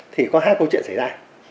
thì có hai câu chuyện xảy ra